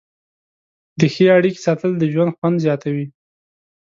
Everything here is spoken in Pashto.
د ښې اړیکې ساتل د ژوند خوند زیاتوي.